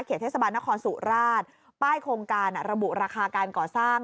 เทศบาลนครสุราชป้ายโครงการระบุราคาการก่อสร้าง